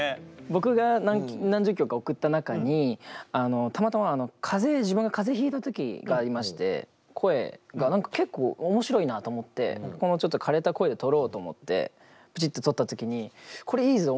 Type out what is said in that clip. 僕が何十曲か送った中にたまたま自分が風邪ひいた時がありまして声が結構面白いなと思ってこのちょっとかれた声で録ろうと思ってバチっと録った時にこれいいぞ！